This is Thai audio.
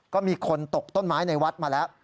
ก็มีคนตกต้นไม้ในวัดมาแล้ว